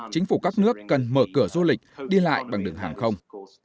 chính phủ các nước cần mở cửa du lịch đi lại bằng đường hàng không